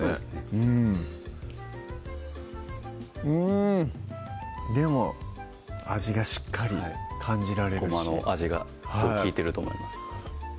うんうんでも味がしっかり感じられるしごまの味がすごい利いてると思います